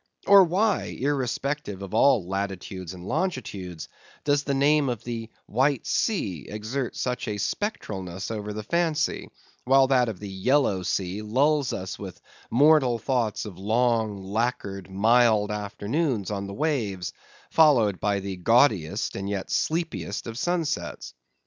Or why, irrespective of all latitudes and longitudes, does the name of the White Sea exert such a spectralness over the fancy, while that of the Yellow Sea lulls us with mortal thoughts of long lacquered mild afternoons on the waves, followed by the gaudiest and yet sleepiest of sunsets?